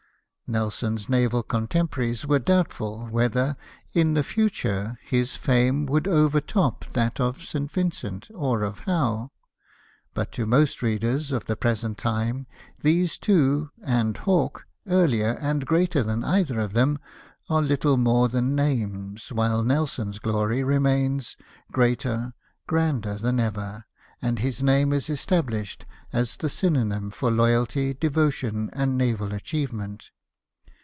Nelson's naval contemporaries were doubtful whether, in the future, his fame would overtop that of St. Vincent or of Howe ; but to most readers of the present time, these two, and Hawke, earher and greater than either of them, are little more than names, while Nelson's glory remains, greater, grander than ever, and his name is established as the syno nym for loyalty, devotion, and naval achievement.